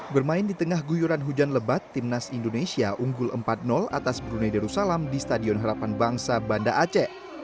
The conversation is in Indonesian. bermain di tengah guyuran hujan lebat timnas indonesia unggul empat atas brunei darussalam di stadion harapan bangsa banda aceh